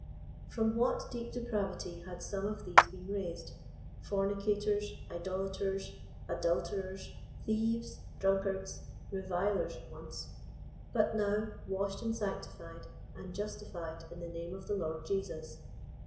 From what deep depravity had some of these been raised ;— fornicators, idolaters, adulterers, thieves, drunkards, revilers, once ; but now, washed and sanctified and justified in tlie name of the Lord Jesus